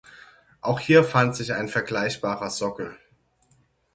Auch hier fand sich ein vergleichbarer Sockel.